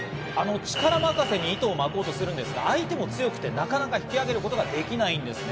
力任せに糸を巻こうとすると、相手も強くて、なかなか引き揚げることができないんです。